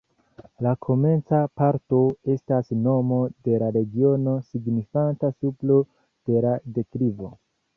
La komenca parto estas nomo de la regiono, signifanta supro de la deklivo.